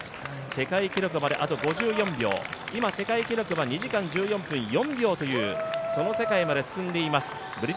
世界記録まであと５４秒、今、世界記録は２時間１４分４秒という、その世界まで進んでいます。